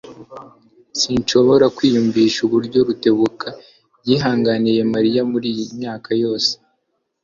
Sinshobora kwiyumvisha uburyo Rutebuka yihanganiye Mariya muriyi myaka yose.